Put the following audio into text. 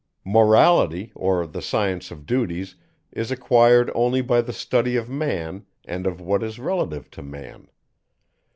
Morality, or the science of duties, is acquired only by the study of Man, and of what is relative to Man.